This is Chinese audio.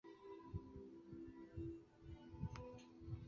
该建筑一直被认为是罗讷河口省最漂亮的宗教建筑。